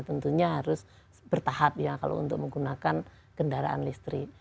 tentunya harus bertahap ya kalau untuk menggunakan kendaraan listrik